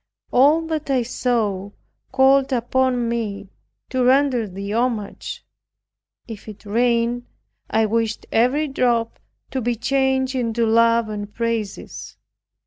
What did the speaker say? All that I saw called upon me to render Thee homage. If it rained, I wished every drop to be changed into love and praises.